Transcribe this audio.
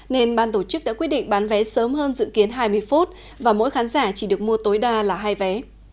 nên ban tổ chức đã quyết định bán vé sớm hơn dự kiến hai mươi phút và mỗi khán giả chỉ được mua tối đa là hai vé